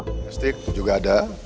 domestik juga ada